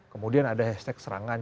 kemudian ada hashtag serangan